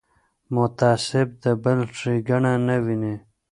متعصب د بل ښېګڼه نه ویني